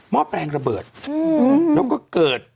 ้อแปลงระเบิดแล้วก็เกิด